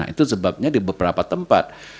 itu sebabnya di beberapa tempat